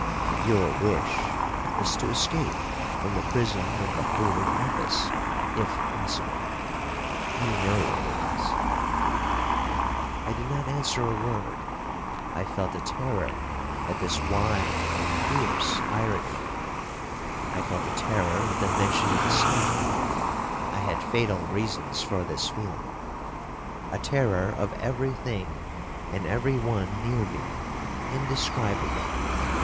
Your wish is to escape from the prison of the holy office, if possible,—you know it is.' I did not answer a word. I felt a terror at this wild and fierce irony,—I felt a terror at the mention of escape, (I had fatal reasons for this feeling),—a terror of every thing, and every one near me, indescribable.